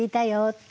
って。